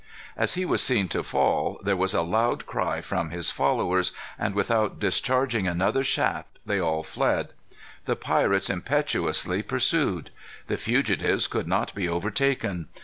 As he was seen to fall, there was a loud cry from his followers and, without discharging another shaft, they all fled. The pirates impetuously pursued. The fugitives could not be overtaken.